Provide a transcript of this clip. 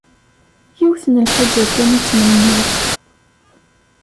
Yiwet n lḥaǧa kan i ttmenniɣ.